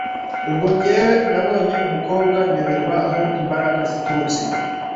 ubwo njye nabonye umukobwa nyoberwa aho imbaraga ziturutse